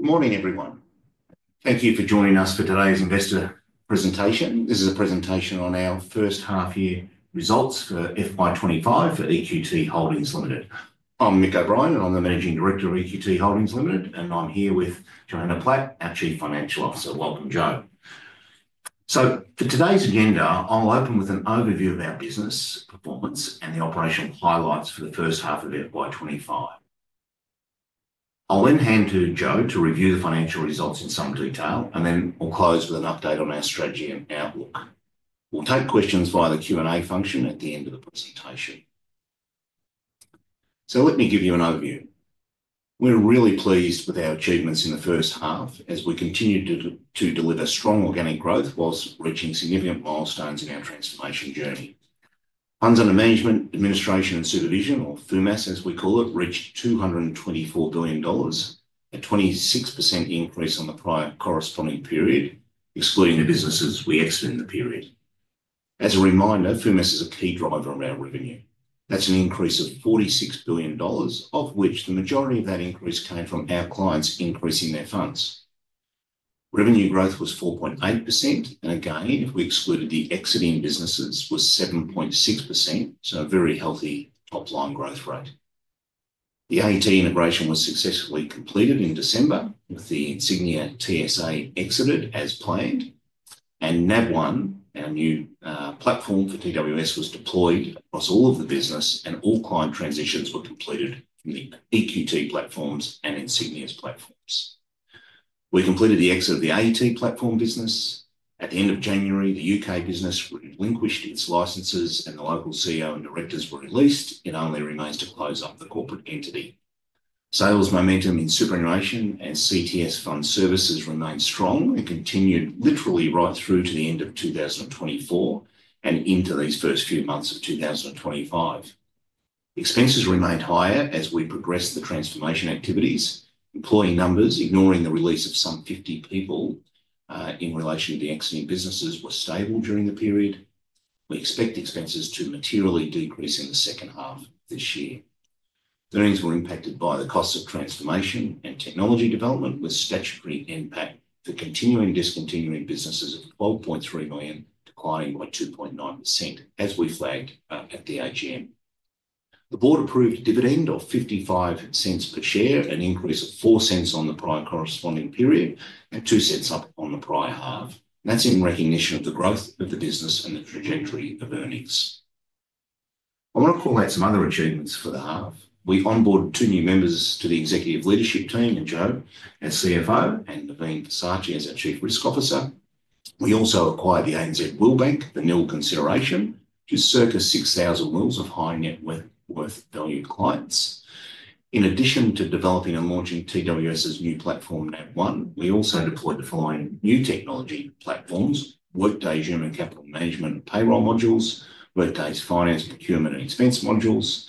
Good morning, everyone. Thank you for joining us for today's investor presentation. This is a presentation on our first half-year results for FY25 at EQT Holdings Ltd. I'm Mick O'Brien, and I'm the Managing Director of EQT Holdings Ltd., and I'm here with Johanna Platt, our Chief Financial Officer. Welcome, Joe. So, for today's agenda, I'll open with an overview of our business performance and the operational highlights for the first half of FY25. I'll then hand to Joe to review the financial results in some detail, and then we'll close with an update on our strategy and outlook. We'll take questions via the Q&A function at the end of the presentation. So, let me give you an overview. We're really pleased with our achievements in the first half as we continue to deliver strong organic growth whilst reaching significant milestones in our transformation journey. Funds under Management, Administration, and Supervision, or FUMAS, as we call it, reached AUD 224 billion, a 26% increase on the prior corresponding period, excluding the businesses we exited in the period. As a reminder, FUMAS is a key driver of our revenue. That's an increase of 46 billion dollars, of which the majority of that increase came from our clients increasing their funds. Revenue growth was 4.8%, and again, if we excluded the exiting businesses, was 7.6%, so a very healthy top-line growth rate. The AET integration was successfully completed in December, with the Insignia TSA exited as planned, and NavOne, our new platform for TWS, was deployed across all of the business, and all client transitions were completed from the EQT platforms and Insignia's platforms. We completed the exit of the AET platform business. At the end of January, the U.K. business relinquished its licenses, and the local CEO and directors were released. It only remains to close up the corporate entity. Sales momentum in superannuation and CTS fund services remained strong and continued literally right through to the end of 2024 and into these first few months of 2025. Expenses remained higher as we progressed the transformation activities. Employee numbers, ignoring the release of some 50 people in relation to the exiting businesses, were stable during the period. We expect expenses to materially decrease in the second half of this year. Earnings were impacted by the costs of transformation and technology development, with statutory impact for continuing discontinuing businesses of 0.3 million, declining by 2.9%, as we flagged at the AGM. The board approved a dividend of 0.55 per share, an increase of 0.04 on the prior corresponding period, and 0.02 up on the prior half. That's in recognition of the growth of the business and the trajectory of earnings. I want to highlight some other achievements for the half. We onboarded two new members to the executive leadership team: Joe as CFO and Naveen Prasad as our Chief Risk Officer. We also acquired the ANZ wealth bank, the nil consideration, to circa 6,000 wealthy high net worth valued clients. In addition to developing and launching TWS's new platform, NavOne, we also deployed the following new technology platforms: Workday's Human Capital Management and Payroll modules, Workday's Finance, Procurement, and Expense modules,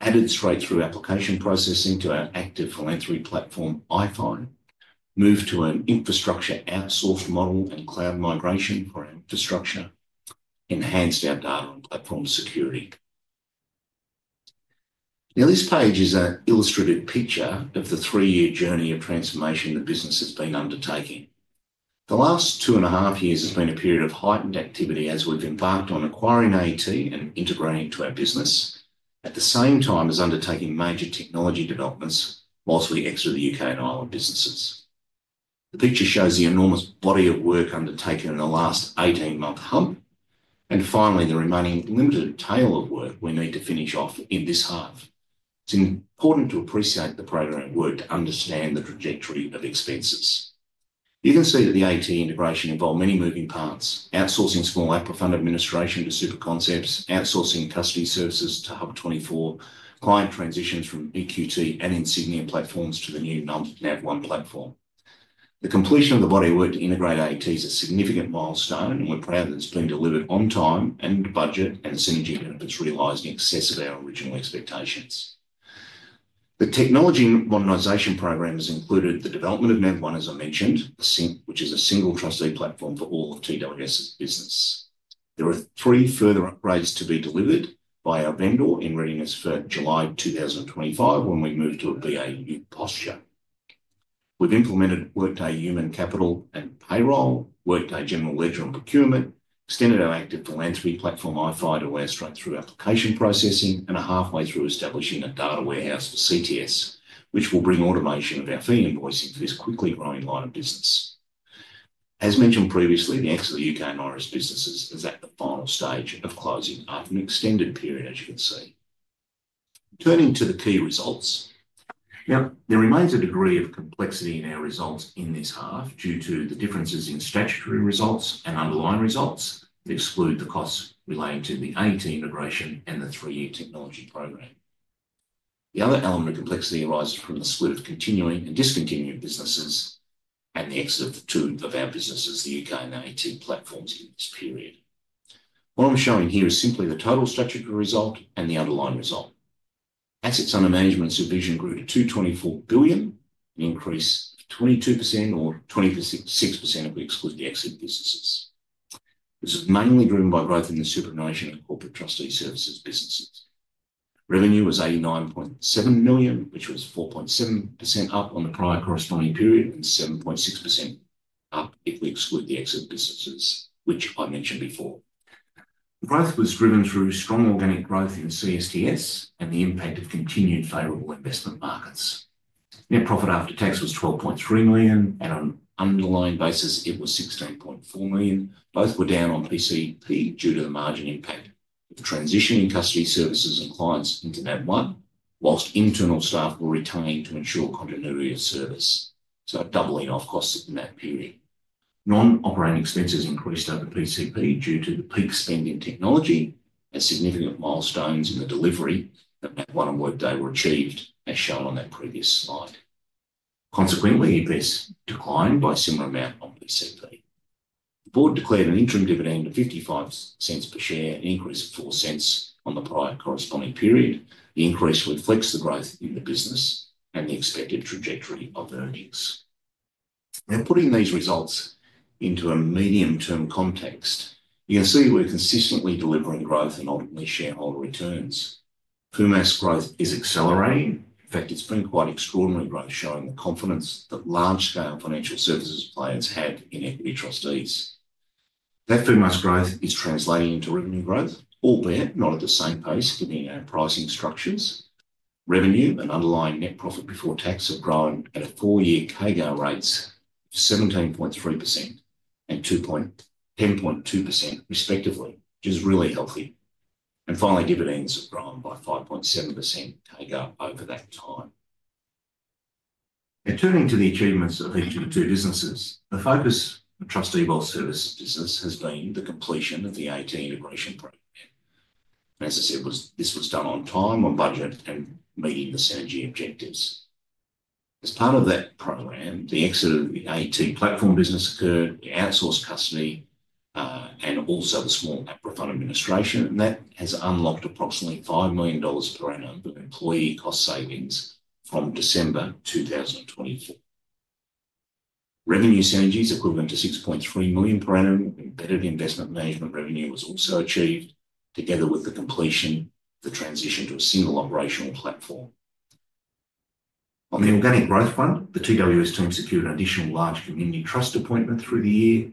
added straight-through application processing to our Active Philanthropy platform, iPhi, moved to an infrastructure outsource model and cloud migration for our infrastructure, enhanced our data and platform security. Now, this page is an illustrative picture of the three-year journey of transformation the business has been undertaking. The last two and a half years has been a period of heightened activity as we've embarked on acquiring AET and integrating it to our business, at the same time as undertaking major technology developments whilst we exited the U.K. and Ireland businesses. The picture shows the enormous body of work undertaken in the last 18-month hump, and finally, the remaining limited tail of work we need to finish off in this half. It's important to appreciate the program work to understand the trajectory of expenses. You can see that the AET integration involved many moving parts: outsourcing small APRA fund administration to SuperConcepts, outsourcing custody services to HUB24, client transitions from EQT and Insignia platforms to the new NavOne platform. The completion of the body of work to integrate AET is a significant milestone, and we're proud that it's been delivered on time and budget, and synergy benefits realized in excess of our original expectations. The technology modernization program has included the development of NavOne, as I mentioned, which is a single trustee platform for all of TWS's business. There are three further upgrades to be delivered by our vendor in readiness for July 2025 when we move to a BAU posture. We've implemented Workday Human Capital and Payroll, Workday General Ledger and Procurement, extended our Active Philanthropy platform, iPhi, as straight-through application processing, and are halfway through establishing a data warehouse for CSTS, which will bring automation of our fee invoicing for this quickly growing line of business. As mentioned previously, the exit of the U.K. and Irish businesses is at the final stage of closing after an extended period, as you can see. Turning to the key results. Now, there remains a degree of complexity in our results in this half due to the differences in statutory results and underlying results that exclude the costs relating to the AET integration and the three-year technology program. The other element of complexity arises from the split of continuing and discontinuing businesses and the exit of two of our businesses, the U.K. and AET platforms, in this period. What I'm showing here is simply the total statutory result and the underlying result. Funds under management, administration and supervision grew to AUD 224 billion, an increase of 22% or 26% if we exclude the exit businesses. This was mainly driven by growth in the superannuation and corporate trustee services businesses. Revenue was 89.7 million, which was 4.7% up on the prior corresponding period and 7.6% up if we exclude the exit businesses, which I mentioned before. Growth was driven through strong organic growth in CSTS and the impact of continued favorable investment markets. Net profit after tax was 12.3 million, and on an underlying basis, it was 16.4 million. Both were down on PCP due to the margin impact of transitioning custody services and clients into NavOne, while internal staff were retained to ensure continuity of service, so doubling of costs in that period. Non-operating expenses increased over PCP due to the peak spend in technology and significant milestones in the delivery that NavOne and Workday were achieved, as shown on that previous slide. Consequently, EPS declined by a similar amount on PCP. The board declared an interim dividend of 0.55 per share, an increase of 0.04 on the prior corresponding period. The increase reflects the growth in the business and the expected trajectory of earnings. Now, putting these results into a medium-term context, you can see we're consistently delivering growth and ultimately shareholder returns. FUMAS growth is accelerating. In fact, it's been quite extraordinary growth, showing the confidence that large-scale financial services players had in Equity Trustees. That FUMAS growth is translating into revenue growth, albeit not at the same pace given our pricing structures. Revenue and underlying net profit before tax have grown at a four-year CAGR rate of 17.3% and 10.2%, respectively, which is really healthy, and finally, dividends have grown by 5.7% CAGR over that time. Now, turning to the achievements of each of the two businesses, the focus of trustee-based services business has been the completion of the AET integration program. As I said, this was done on time, on budget, and meeting the synergy objectives. As part of that program, the exit of the AET platform business occurred, the outsourced custody, and also the small APRA fund administration, and that has unlocked approximately 5 million dollars per annum of employee cost savings from December 2024. Revenue synergies equivalent to 6.3 million per annum of embedded investment management revenue was also achieved, together with the completion of the transition to a single operational platform. On the organic growth front, the TWS team secured an additional large community trust appointment through the year.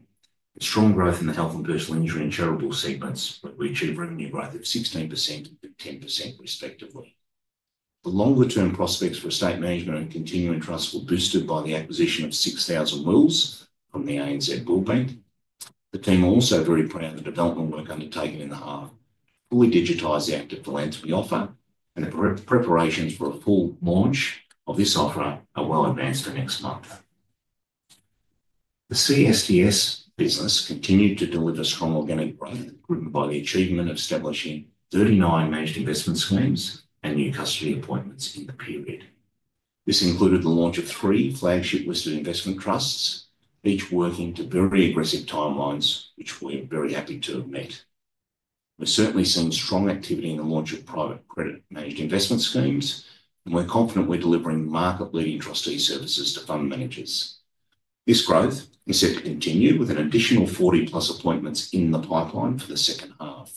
Strong growth in the health and personal injury and charitable segments where we achieved revenue growth of 16% and 10%, respectively. The longer-term prospects for estate management and continuing trust were boosted by the acquisition of 6,000 wills from the ANZ wealth bank. The team are also very proud of the development work undertaken in the half, fully digitized the Active Philanthropy offer, and the preparations for a full launch of this offer are well advanced for next month. The CSTS business continued to deliver strong organic growth, driven by the achievement of establishing 39 managed investment schemes and new custody appointments in the period. This included the launch of three flagship listed investment trusts, each working to very aggressive timelines, which we are very happy to have met. We've certainly seen strong activity in the launch of private credit managed investment schemes, and we're confident we're delivering market-leading trustee services to fund managers. This growth is set to continue with an additional 40-plus appointments in the pipeline for the second half.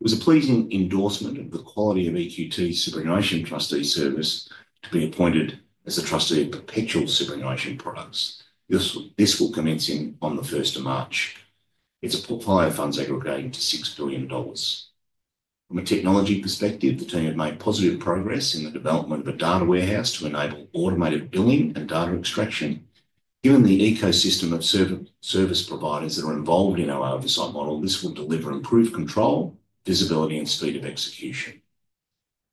It was a pleasing endorsement of the quality of EQT's superannuation trustee service to be appointed as a trustee of Perpetual superannuation products. This will commence on the 1st of March. It's a portfolio of funds aggregating to 6 billion dollars. From a technology perspective, the team have made positive progress in the development of a data warehouse to enable automated billing and data extraction. Given the ecosystem of service providers that are involved in our oversight model, this will deliver improved control, visibility, and speed of execution.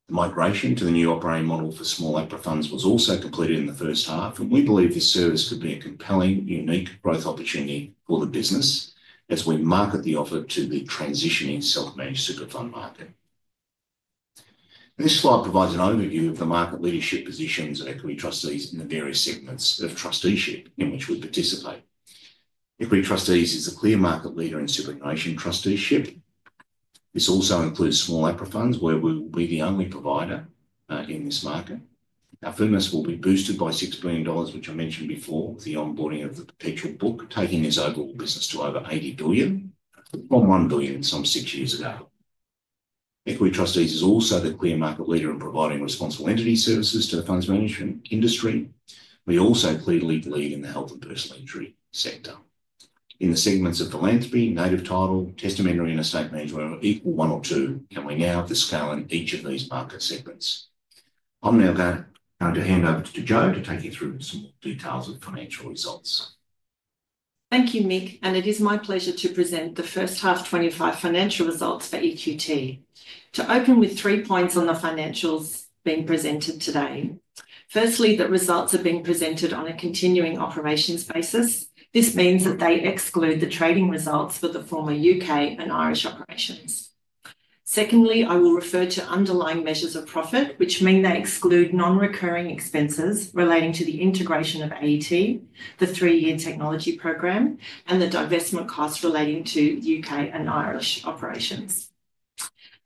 The migration to the new operating model for small APRA funds was also completed in the first half, and we believe this service could be a compelling, unique growth opportunity for the business as we market the offer to the transitioning self-managed super fund market. This slide provides an overview of the market leadership positions of Equity Trustees in the various segments of trusteeship in which we participate. Equity Trustees is a clear market leader in superannuation trusteeship. This also includes small APRA funds where we will be the only provider in this market. Our FUMAS will be boosted by 6 billion dollars, which I mentioned before, with the onboarding of the Perpetual book taking this overall business to over 80 billion, from 1 billion some six years ago. Equity Trustees is also the clear market leader in providing responsible entity services to the funds management industry. We also clearly believe in the health and personal injury sector. In the segments of philanthropy, native title, testamentary, and estate management are equal one or two, and we now have the scale in each of these market segments. I'm now going to hand over to Joe to take you through some more details of the financial results. Thank you, Mick, and it is my pleasure to present the First Half 2025 Financial Results for EQT. To open with three points on the financials being presented today. Firstly, that results are being presented on a continuing operations basis. This means that they exclude the trading results for the former U.K. and Irish operations. Secondly, I will refer to underlying measures of profit, which mean they exclude non-recurring expenses relating to the integration of AET, the three-year technology program, and the divestment costs relating to U.K. and Irish operations,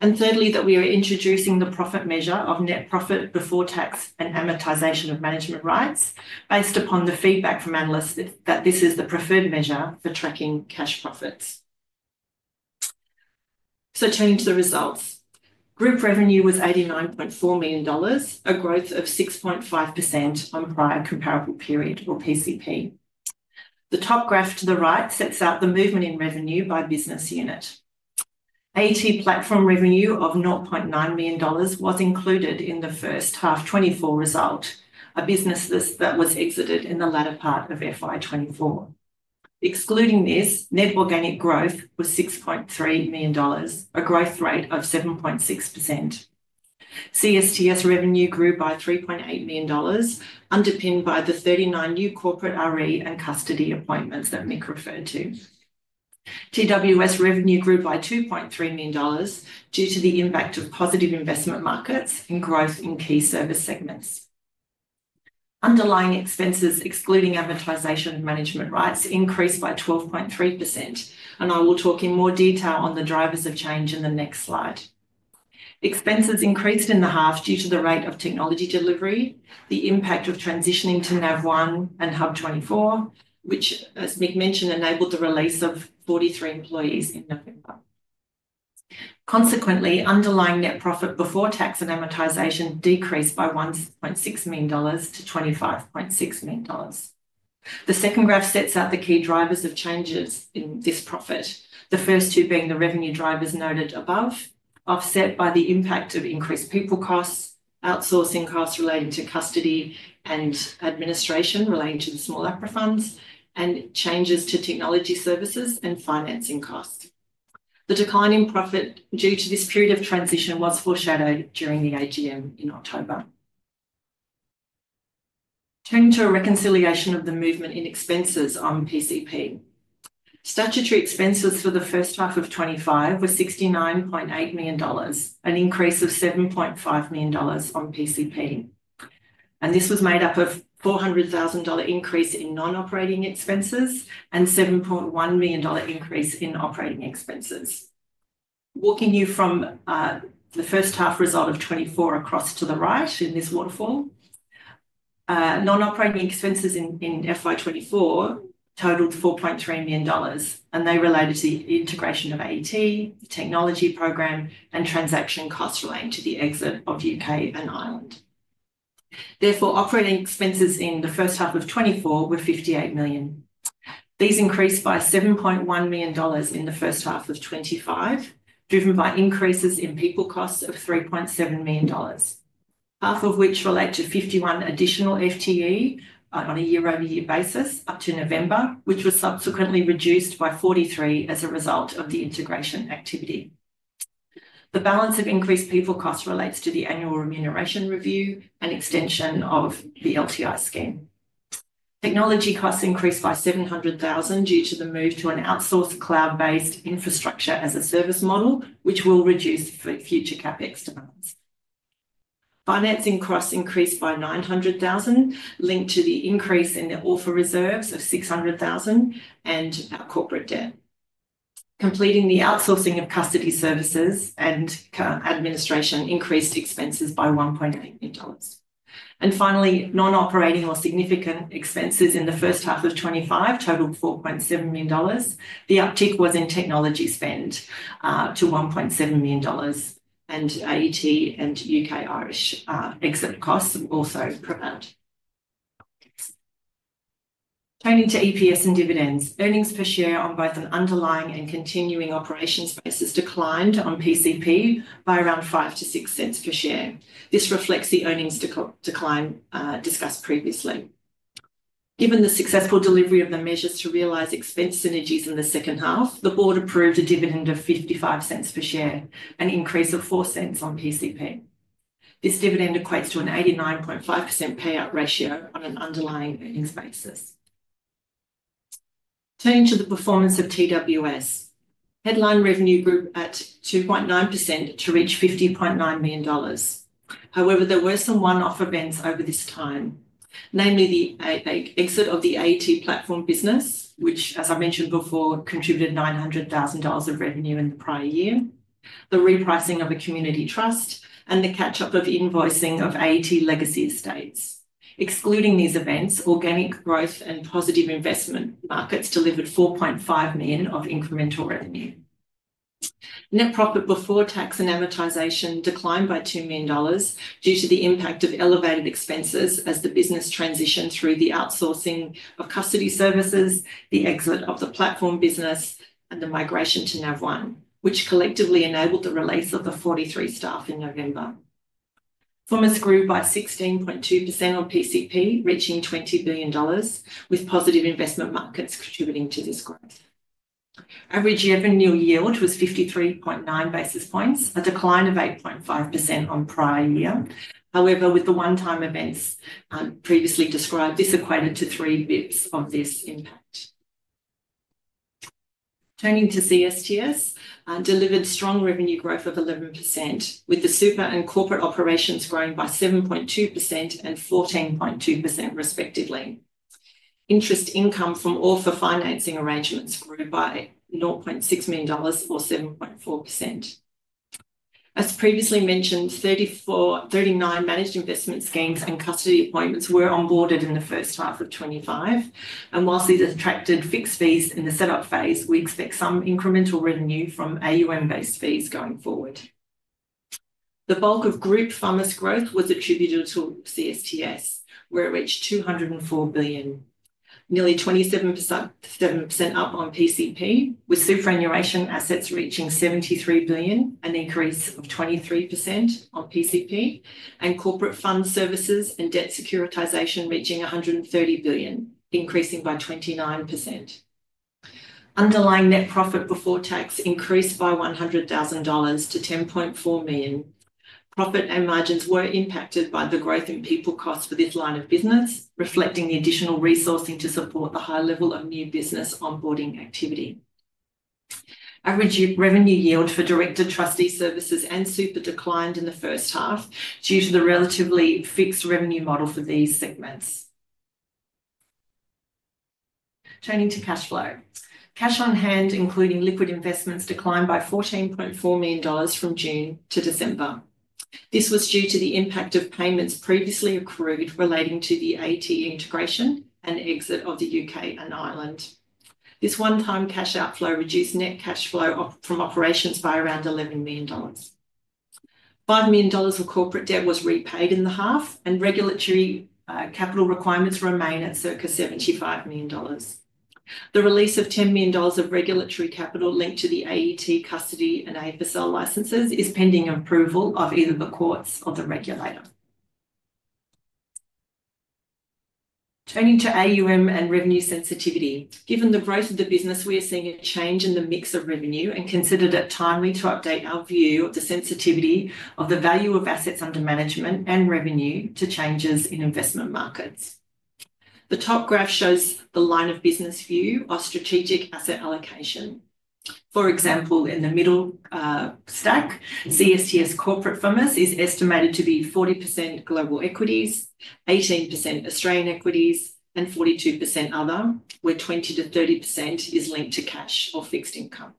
and thirdly, that we are introducing the profit measure of net profit before tax and amortization of management rights based upon the feedback from analysts that this is the preferred measure for tracking cash profits. So, turning to the results, group revenue was 89.4 million dollars, a growth of 6.5% on prior comparable period or PCP. The top graph to the right sets out the movement in revenue by business unit. AET platform revenue of 0.9 million dollars was included in the first half 2024 result, a business that was exited in the latter part of FY24. Excluding this, net organic growth was 6.3 million dollars, a growth rate of 7.6%. CSTS revenue grew by 3.8 million dollars, underpinned by the 39 new corporate RE and custody appointments that Mick referred to. TWS revenue grew by 2.3 million dollars due to the impact of positive investment markets and growth in key service segments. Underlying expenses, excluding amortization and management rights, increased by 12.3%, and I will talk in more detail on the drivers of change in the next slide. Expenses increased in the half due to the rate of technology delivery, the impact of transitioning to NavOne and HUB24, which, as Mick mentioned, enabled the release of 43 employees. Consequently, underlying net profit before tax and amortization decreased by 1.6 million dollars to 25.6 million dollars. The second graph sets out the key drivers of changes in this profit, the first two being the revenue drivers noted above, offset by the impact of increased people costs, outsourcing costs relating to custody and administration relating to the small APRA funds, and changes to technology services and financing costs. The decline in profit due to this period of transition was foreshadowed during the AGM in October. Turning to a reconciliation of the movement in expenses on PCP. Statutory expenses for the first half of 2025 were 69.8 million dollars, an increase of 7.5 million dollars on PCP. This was made up of a 400,000 dollar increase in non-operating expenses and a 7.1 million dollar increase in operating expenses. Walking you from the first half result of 2024 across to the right in this waterfall, non-operating expenses in FY 2024 totaled 4.3 million dollars, and they related to the integration of AET, the technology program, and transaction costs relating to the exit of U.K. and Ireland. Therefore, operating expenses in the first half of 2024 were 58 million. These increased by 7.1 million dollars in the first half of 2025, driven by increases in people costs of 3.7 million dollars, half of which relate to 51 additional FTE on a year-over-year basis up to November, which was subsequently reduced by 43 as a result of the integration activity. The balance of increased people costs relates to the annual remuneration review and extension of the LTI scheme. Technology costs increased by 700,000 due to the move to an outsourced cloud-based infrastructure as a service model, which will reduce future CapEx demands. Financing costs increased by 900,000, linked to the increase in the other reserves of 600,000 and corporate debt. Completing the outsourcing of custody services and administration increased expenses by 1.8 million dollars. Finally, non-operating or significant expenses in the first half of 2025 totaled 4.7 million dollars. The uptick was in technology spend to 1.7 million dollars, and AET and UK-Irish exit costs also accounted. Turning to EPS and dividends, earnings per share on both an underlying and continuing operations basis declined on PCP by around 0.05 to 0.06 per share. This reflects the earnings decline discussed previously. Given the successful delivery of the measures to realize expense synergies in the second half, the board approved a dividend of 0.55 per share, an increase of 0.04 on PCP. This dividend equates to an 89.5% payout ratio on an underlying earnings basis. Turning to the performance of TWS. Headline revenue grew at 2.9% to reach 50.9 million dollars. However, there were some one-off events over this time, namely the exit of the AET platform business, which, as I mentioned before, contributed 900,000 dollars of revenue in the prior year, the repricing of a community trust, and the catch-up of invoicing of AET legacy estates. Excluding these events, organic growth and positive investment markets delivered 4.5 million of incremental revenue. Net profit before tax and amortization declined by 2 million dollars due to the impact of elevated expenses as the business transitioned through the outsourcing of custody services, the exit of the platform business, and the migration to NavOne, which collectively enabled the release of the 43 staff in November. FUMAS grew by 16.2% on PCP, reaching AUD 20 billion, with positive investment markets contributing to this growth. Average revenue yield was 53.9 basis points, a decline of 8.5% on prior year. However, with the one-time events previously described, this equated to 3 bps of this impact. Turning to CSTS, delivered strong revenue growth of 11%, with the super and corporate operations growing by 7.2% and 14.2%, respectively. Interest income from offer financing arrangements grew by 0.6 million dollars or 7.4%. As previously mentioned, 39 managed investment schemes and custody appointments were onboarded in the first half of 2025, and while these attracted fixed fees in the setup phase, we expect some incremental revenue from AUM-based fees going forward. The bulk of group funds growth was attributed to CSTS, where it reached 204 billion, nearly 27% up on PCP, with superannuation assets reaching 73 billion, an increase of 23% on PCP, and corporate fund services and debt securitization reaching 130 billion, increasing by 29%. Underlying net profit before tax increased by 100,000 dollars to 10.4 million. Profit and margins were impacted by the growth in people costs for this line of business, reflecting the additional resourcing to support the high level of new business onboarding activity. Average revenue yield for director trustee services and super declined in the first half due to the relatively fixed revenue model for these segments. Turning to cash flow. Cash on hand, including liquid investments, declined by 14.4 million dollars from June to December. This was due to the impact of payments previously accrued relating to the AET integration and exit of the U.K. and Ireland. This one-time cash outflow reduced net cash flow from operations by around AUD 11 million. 5 million dollars of corporate debt was repaid in the half, and regulatory capital requirements remain at circa 75 million dollars. The release of 10 million dollars of regulatory capital linked to the AET, custody, and AFSL licenses is pending approval of either the courts or the regulator. Turning to AUM and revenue sensitivity. Given the growth of the business, we are seeing a change in the mix of revenue and considered it timely to update our view of the sensitivity of the value of assets under management and revenue to changes in investment markets. The top graph shows the line of business view of strategic asset allocation. For example, in the middle stack, CSTS corporate funds is estimated to be 40% global equities, 18% Australian equities, and 42% other, where 20%-30% is linked to cash or fixed income.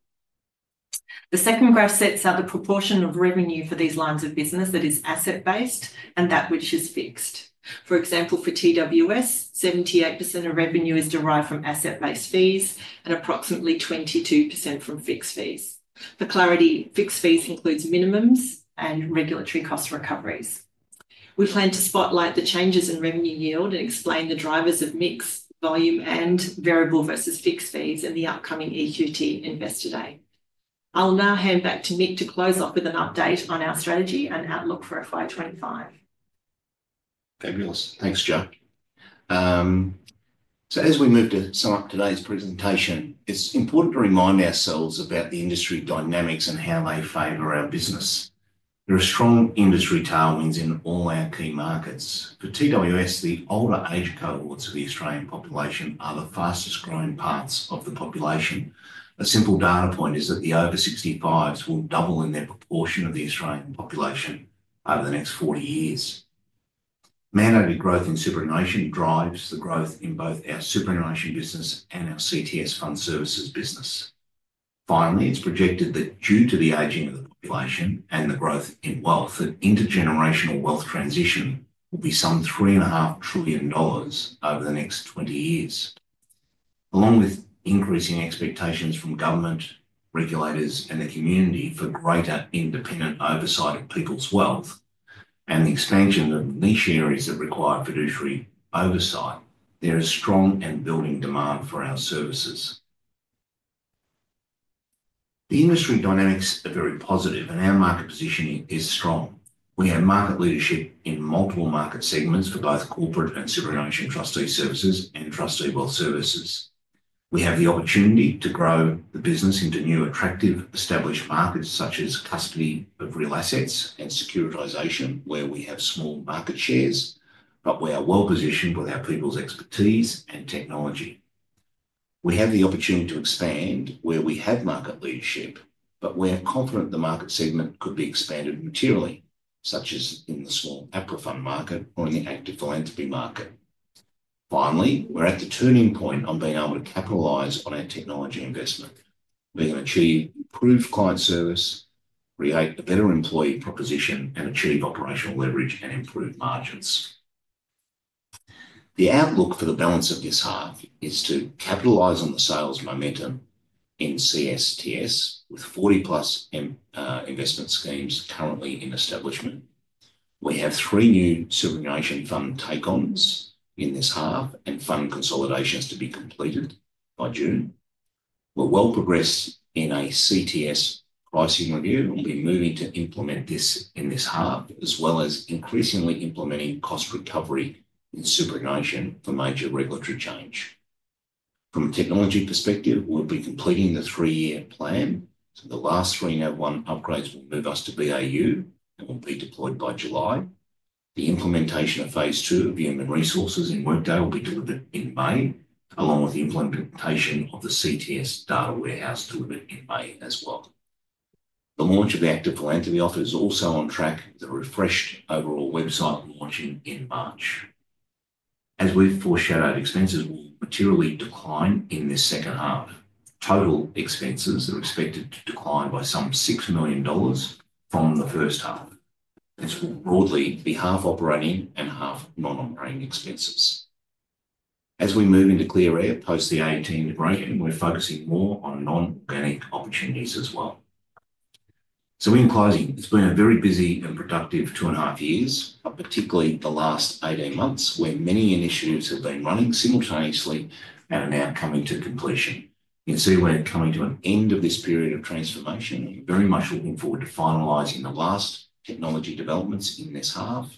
The second graph sets out the proportion of revenue for these lines of business that is asset-based and that which is fixed. For example, for TWS, 78% of revenue is derived from asset-based fees and approximately 22% from fixed fees. For clarity, fixed fees includes minimums and regulatory cost recoveries. We plan to spotlight the changes in revenue yield and explain the drivers of mixed volume and variable versus fixed fees in the upcoming EQT Investor Day. I'll now hand back to Mick to close off with an update on our strategy and outlook for FY25. Fabulous. Thanks, Jo. As we move to sum up today's presentation, it's important to remind ourselves about the industry dynamics and how they favor our business. There are strong industry tailwinds in all our key markets. For TWS, the older age cohorts of the Australian population are the fastest growing parts of the population. A simple data point is that the over-65s will double in their proportion of the Australian population over the next 40 years. Mandatory growth in superannuation drives the growth in both our superannuation business and our CSTS fund services business. Finally, it's projected that due to the aging of the population and the growth in wealth, that intergenerational wealth transition will be some 3.5 trillion dollars over the next 20 years. Along with increasing expectations from government, regulators, and the community for greater independent oversight of people's wealth and the expansion of niche areas that require fiduciary oversight, there is strong and building demand for our services. The industry dynamics are very positive, and our market positioning is strong. We have market leadership in multiple market segments for both corporate and superannuation trustee services and trustee wealth services. We have the opportunity to grow the business into new attractive established markets such as custody of real assets and securitization, where we have small market shares, but we are well positioned with our people's expertise and technology. We have the opportunity to expand where we have market leadership, but we are confident the market segment could be expanded materially, such as in the small APRA fund market or in the Active Philanthropy market. Finally, we're at the turning point on being able to capitalize on our technology investment. We can achieve improved client service, create a better employee proposition, and achieve operational leverage and improved margins. The outlook for the balance of this half is to capitalize on the sales momentum in CSTS with 40 plus investment schemes currently in establishment. We have three new superannuation fund take-ons in this half and fund consolidations to be completed by June. We're well progressed in a CSTS pricing review and will be moving to implement this in this half, as well as increasingly implementing cost recovery in superannuation for major regulatory change. From a technology perspective, we'll be completing the three-year plan. The last three NavOne upgrades will move us to BAU, and we'll be deployed by July. The implementation of phase two of human resources in Workday will be delivered in May, along with the implementation of the CTS data warehouse delivered in May as well. The launch of the Active Philanthropy office is also on track with a refreshed overall website launching in March. As we've foreshadowed, expenses will materially decline in this second half. Total expenses are expected to decline by some 6 million dollars from the first half. This will broadly be half operating and half non-operating expenses. As we move into clear air post the AET integration, we're focusing more on non-organic opportunities as well. So, in closing, it's been a very busy and productive two and a half years, particularly the last 18 months, where many initiatives have been running simultaneously and are now coming to completion. You can see we're coming to an end of this period of transformation. We're very much looking forward to finalizing the last technology developments in this half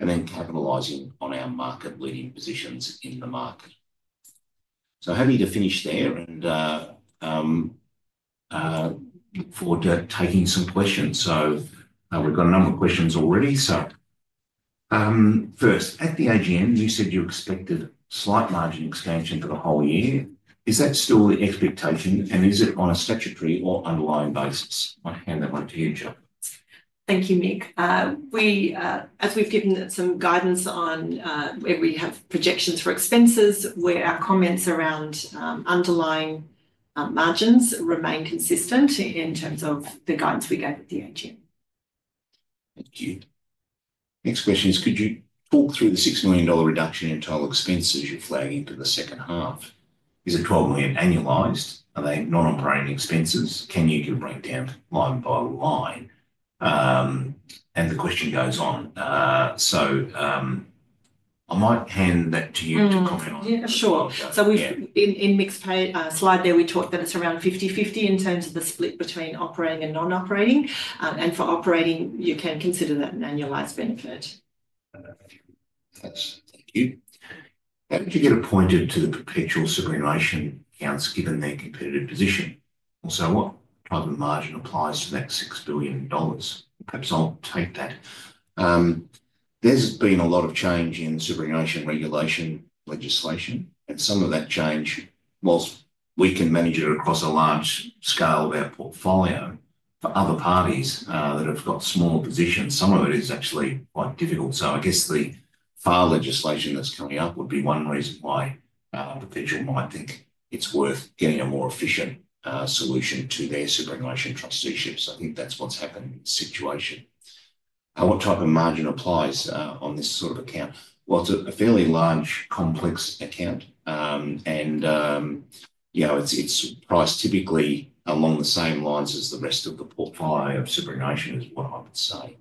and then capitalizing on our market-leading positions in the market. So, happy to finish there and look forward to taking some questions. So, we've got a number of questions already. So, first, at the AGM, you said you expected slight margin expansion for the whole year. Is that still the expectation, and is it on a statutory or underlying basis? I'll hand that one to you, Joe. Thank you, Mick. As we've given some guidance on where we have projections for expenses, our comments around underlying margins remain consistent in terms of the guidance we gave at the AGM. Thank you. Next question is, could you talk through the 6 million dollar reduction in total expenses you're flagging for the second half? Is it 12 million annualized? Are they non-operating expenses? Can you break down line by line? And the question goes on. So, I might hand that to you to comment on. Sure. So, in Mick's slide there, we talked that it's around 50/50 in terms of the split between operating and non-operating. And for operating, you can consider that an annualized benefit. Thanks. Thank you. How did you get appointed to the Perpetual superannuation accounts given their competitive position? Also, what type of margin applies to that 6 billion dollars? Perhaps I'll take that. There's been a lot of change in superannuation regulation legislation, and some of that change, while we can manage it across a large scale of our portfolio, for other parties that have got smaller positions, some of it is actually quite difficult. I guess the FAR legislation that's coming up would be one reason why individuals might think it's worth getting a more efficient solution to their superannuation trusteeships. I think that's what's happened in this situation. What type of margin applies on this sort of account? Well, it's a fairly large, complex account, and it's priced typically along the same lines as the rest of the portfolio of superannuation, is what I would say.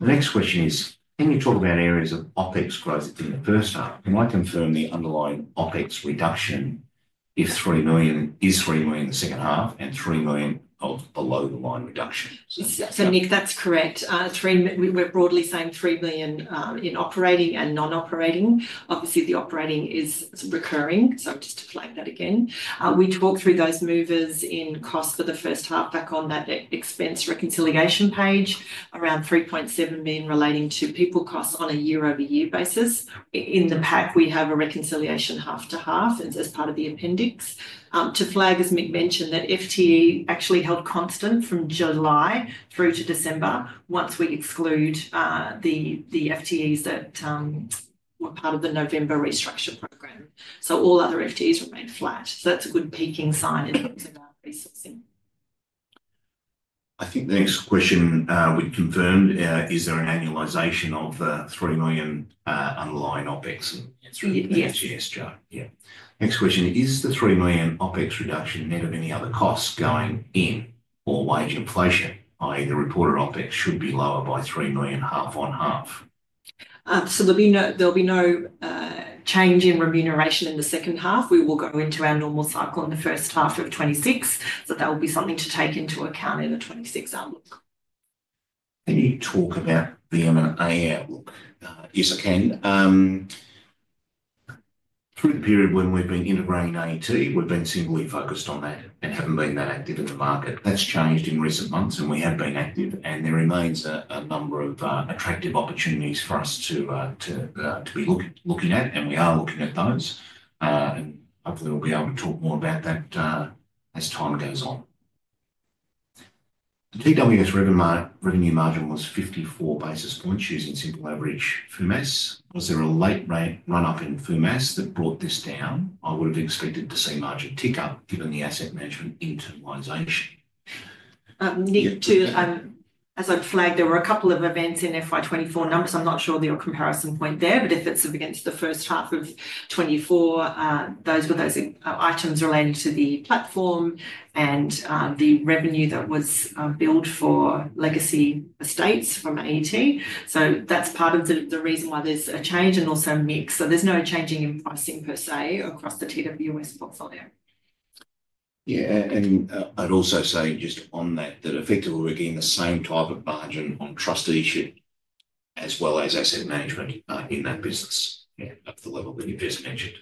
The next question is, can you talk about areas of OpEx growth in the first half? Can I confirm the underlying OpEx reduction is 3 million in the second half and 3 million of below-the-line reduction? So, Mick, that's correct. We're broadly saying 3 million in operating and non-operating. Obviously, the operating is recurring, so just to flag that again. We talked through those movers in cost for the first half back on that expense reconciliation page, around 3.7 million relating to people costs on a year-over-year basis. In the pack, we have a reconciliation half-to-half as part of the appendix. To flag, as Mick mentioned, that FTE actually held constant from July through to December once we exclude the FTEs that were part of the November restructure program. So, all other FTEs remained flat. So, that's a good peaking sign in terms of our resourcing. I think the next question we confirmed is there an annualization of the 3 million underlying OPEX? Yes. Yes, Jo. Yeah. Next question, is the 3 million OPEX reduction net of any other costs going in or wage inflation, i.e., the reported OPEX should be lower by 3 million half on half? So, there'll be no change in remuneration in the second half. We will go into our normal cycle in the first half of 2026, so that will be something to take into account in the 2026 outlook. Can you talk about the M&A outlook? Yes, I can. Through the period when we've been integrating AET, we've been singly focused on that and haven't been that active in the market. That's changed in recent months, and we have been active, and there remains a number of attractive opportunities for us to be looking at, and we are looking at those, and hopefully, we'll be able to talk more about that as time goes on. The TWS revenue margin was 54 basis points using simple average FUMAS. Was there a late run-up in FUMAS that brought this down? I would have expected to see margin tick up given the asset management internalization. As I've flagged, there were a couple of events in FY24 numbers. I'm not sure of your comparison point there, but if it's against the first half of 2024, those were those items related to the platform and the revenue that was billed for legacy estates from AET. So, that's part of the reason why there's a change and also a mix. So, there's no changing in pricing per se across the TWS portfolio. Yeah. And I'd also say just on that, that effectively we're getting the same type of margin on trusteeship as well as asset management in that business at the level that you've just mentioned.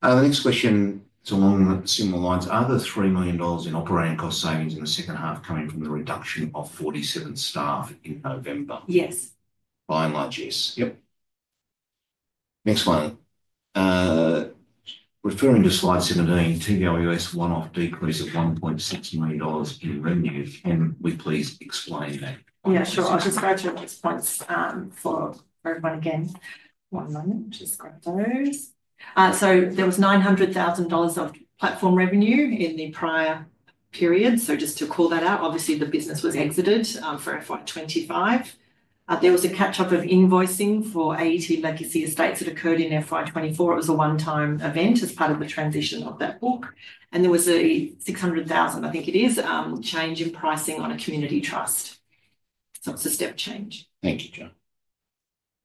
The next question is along similar lines. Are the 3 million dollars in operating cost savings in the second half coming from the reduction of 47 staff in November? Yes. By and large, yes. Yep. Next one. Referring to slide 17, TWS one-off decrease of 1.6 million dollars in revenue. Can we please explain that? Yeah, sure. I'll just go through those points for everyone again. One moment. Just grab those. So, there was 900,000 dollars of platform revenue in the prior period. So, just to call that out, obviously, the business was exited for FY25. There was a catch-up of invoicing for AET legacy estates that occurred in FY24. It was a one-time event as part of the transition of that book. And there was a 600,000, I think it is, change in pricing on a community trust. So, it's a step change. Thank you, Jo.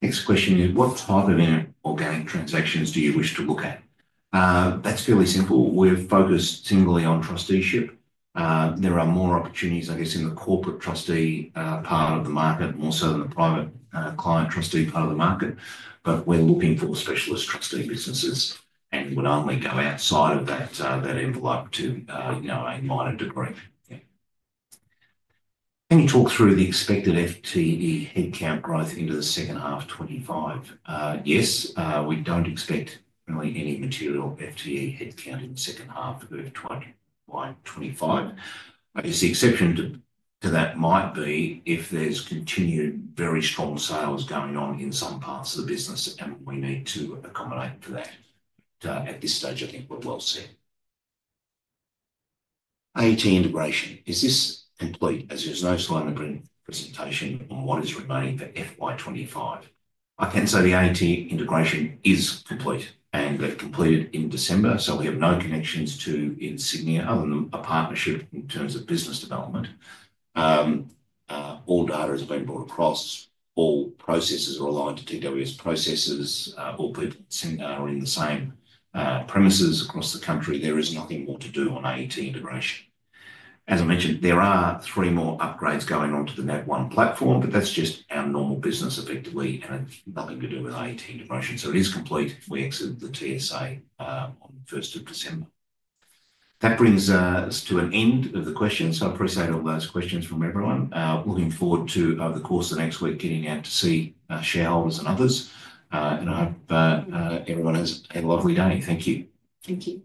Next question is, what type of organic transactions do you wish to look at? That's fairly simple. We're focused singly on trusteeship. There are more opportunities, I guess, in the corporate trustee part of the market, more so than the private client trustee part of the market. But we're looking for specialist trustee businesses and would only go outside of that envelope to a minor degree. Can you talk through the expected FTE headcount growth into the second half of 2025? Yes. We don't expect really any material FTE headcount in the second half of 2025. I guess the exception to that might be if there's continued very strong sales going on in some parts of the business, and we need to accommodate for that. At this stage, I think we'll see. AET integration. Is this complete? As there's no slide in the presentation on what is remaining for FY 2025? I can say the AET integration is complete and they've completed in December. So, we have no connections to Insignia other than a partnership in terms of business development. All data has been brought across. All processes are aligned to TWS processes. All people are in the same premises across the country. There is nothing more to do on AET integration. As I mentioned, there are three more upgrades going on to the NavOne platform, but that's just our normal business effectively, and it's nothing to do with AET integration. So, it is complete. We exited the TSA on the 1st of December. That brings us to an end of the questions. I appreciate all those questions from everyone. Looking forward to, over the course of the next week, getting out to see shareholders and others. And I hope everyone has a lovely day. Thank you. Thank you.